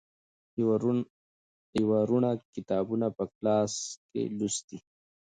یوه روڼه کتابونه په کلاسه کې لوستي.